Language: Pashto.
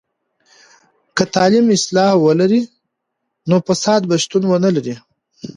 که تعلیم اصلاح ولري، نو فساد به شتون ونلري.